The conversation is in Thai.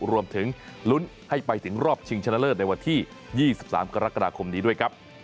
รวมถึงลุ้นให้ไปถึงรอบชิงชนะเลิศในวันที่๒๓กรกฎาคมนี้ด้วยครับ